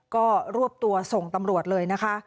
ก็รวบตัวส่งตำรวจเลยนะคะ